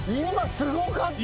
すごかった。